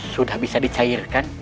sudah bisa dicairkan